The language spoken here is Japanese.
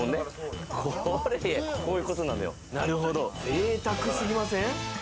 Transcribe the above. ぜいたく過ぎません？